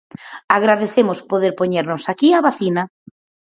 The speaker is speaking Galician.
Agradecemos poder poñernos aquí a vacina.